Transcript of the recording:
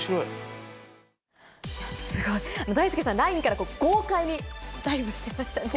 すごい、だいすけさん、ラインから豪快にダイブしてましたね。